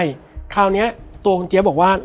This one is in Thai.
แล้วสักครั้งหนึ่งเขารู้สึกอึดอัดที่หน้าอก